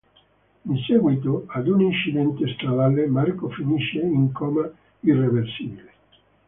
In seguito ad un incidente stradale, Marco finisce in coma irreversibile.